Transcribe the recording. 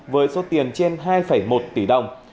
với số tiền trên hai một tỷ đồng